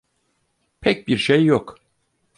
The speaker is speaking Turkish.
Pek bir şey yok.